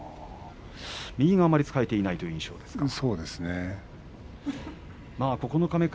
右があまり使えていないという印象ですか？